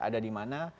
ada di mana